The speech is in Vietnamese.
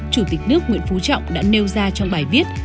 chủ tịch nước nguyễn phú trọng đã nêu ra trong bài viết